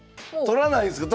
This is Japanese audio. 取らないんすか？